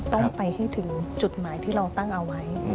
ต้องไปให้ถึงจุดหมายที่เราตั้งเอาไว้